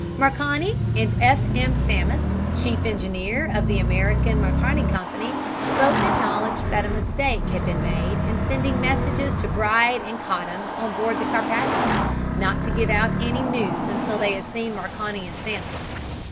Marconi and F. M. Sammis, chief engineer of the American Marconi Company, both acknowledged that a mistake had been made in sending messages to Bride and Cottam on board the Carpathia not to give out any news until they had seen Marconi and Sammis.